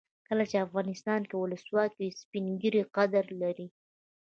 کله چې افغانستان کې ولسواکي وي سپین ږیري قدر لري.